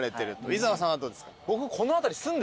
伊沢さんはどうですか？